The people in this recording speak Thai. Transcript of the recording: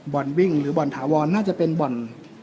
วิ่งหรือบ่อนถาวรน่าจะเป็นบ่อน